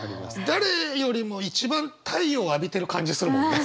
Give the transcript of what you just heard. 誰よりも一番太陽浴びてる感じするもんね。